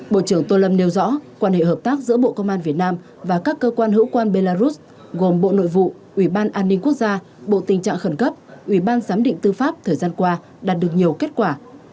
bộ trưởng tô lâm nêu rõ quan hệ hợp tác giữa bộ công an việt nam và các cơ quan hữu quan belarus gồm bộ nội vụ ủy ban an ninh quốc gia bộ tình trạng khẩn cấp ủy ban giám định tư pháp thời gian qua đạt được nhiều kết quả